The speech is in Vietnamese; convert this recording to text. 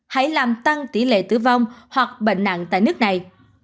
hãy làm tăng tỷ lệ tử vong hoặc bệnh nặng tại nước này